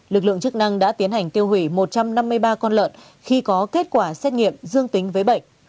lực lượng chức năng đã tiến hành tiêu hủy một trăm năm mươi ba con lợn khi có kết quả xét nghiệm dương tính với bệnh